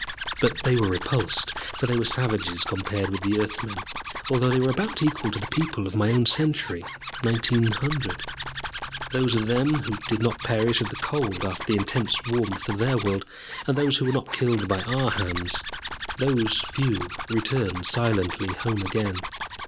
But they were repulsed, for they were savages compared with the Earthmen, although they were about equal to the people of my own century, 1900. Those of them who did not perish of the cold after the intense warmth of their world, and those who were not killed by our hands, those few returned silently home again.